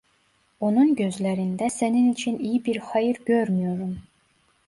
Onun gözlerinde senin için iyi bir hayır görmüyorum.